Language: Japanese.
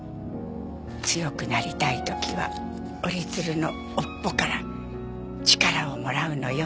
「強くなりたい時は折り鶴の尾っぽから力をもらうのよ」